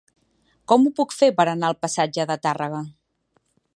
Com ho puc fer per anar al passatge de Tàrrega?